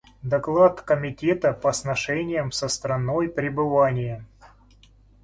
Доклад Комитета по сношениям со страной пребывания.